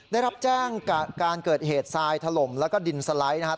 ได้รับแจ้งการเกิดเหตุทรายถล่มแล้วก็ดินสไลด์นะครับ